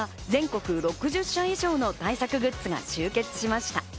今年は全国６０社以上の対策グッズが集結しました。